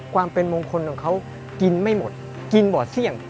ความเป็นมงคลของเขากินไม่หมดกินบ่อเสี่ยง